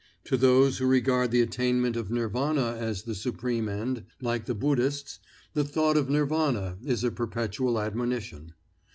To those who regard the attainment of Nirvana as the supreme end, like the Buddhists, the thought of Nirvana is a perpetual admonition.